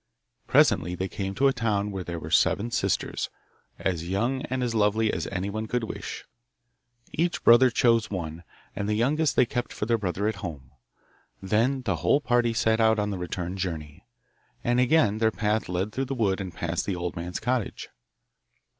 Presently they came to a town where were seven sisters, as young and as lovely as anyone could wish. Each brother chose one, and the youngest they kept for their brother at home. Then the whole party set out on the return journey, and again their path led through the wood and past the old man's cottage.